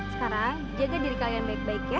sekarang jaga diri kalian baik baik ya